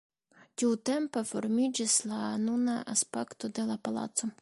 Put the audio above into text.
Tiutempe formiĝis la nuna aspekto de la palaco.